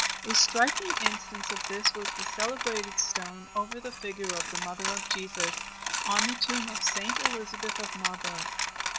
A striking instance of this was the celebrated stone over the figure of the Mother of Jesus, on the tomb of St. Elizabeth of Marburg.